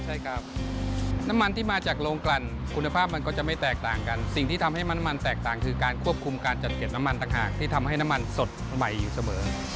ใช่ครับน้ำมันที่มาจากโรงกลั่นคุณภาพมันก็จะไม่แตกต่างกันสิ่งที่ทำให้น้ำมันแตกต่างคือการควบคุมการจัดเก็บน้ำมันต่างหากที่ทำให้น้ำมันสดใหม่อยู่เสมอ